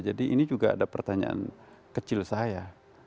jadi ini juga ada pertanyaan kecil saya